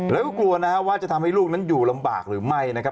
แล้วก็กลัวนะครับว่าจะทำให้ลูกนั้นอยู่ลำบากหรือไม่นะครับ